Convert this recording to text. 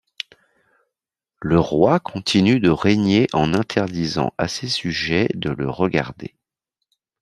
Le roi continue de régner en interdisant à ses sujets de le regarder.